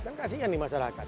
kan kasian nih masyarakat